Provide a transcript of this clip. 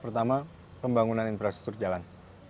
pertama pembangunan infrastruktur jalan